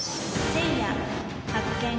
せいや発見。